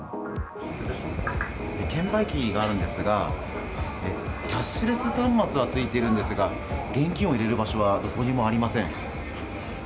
券売機があるんですがキャッシュレス端末はついているんですが現金を入れる場所はどこにもありません。